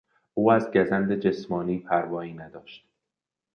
او از گزند جسمانی پروایی نداشت.